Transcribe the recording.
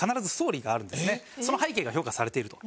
その背景が評価されていると。